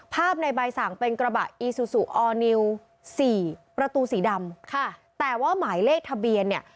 ในใบสั่งเป็นกระบะอีซูซูออร์นิวสี่ประตูสีดำค่ะแต่ว่าหมายเลขทะเบียนเนี่ย